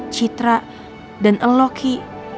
citra dan eloki